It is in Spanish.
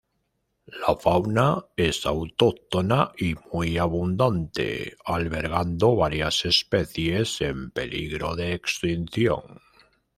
La fauna es autóctona y muy abundante, albergando varias especies en peligro de extinción.